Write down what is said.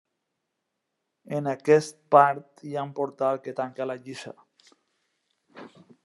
En aquest part hi ha un portal que tanca la lliça.